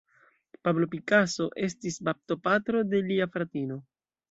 Pablo Picasso estis baptopatro de lia fratino.